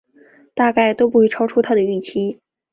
大概都不会超出他的预期